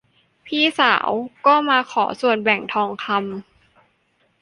พี่สาวก็มาขอส่วนแบ่งทองคำ